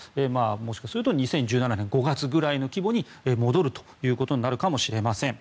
もしかすると２０１７年５月ぐらいの規模に戻るということになるかもしれません。